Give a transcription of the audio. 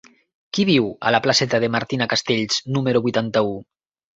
Qui viu a la placeta de Martina Castells número vuitanta-u?